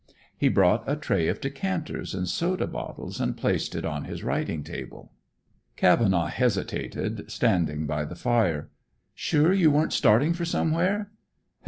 He brought a tray of decanters and soda bottles and placed it on his writing table. Cavenaugh hesitated, standing by the fire. "Sure you weren't starting for somewhere?"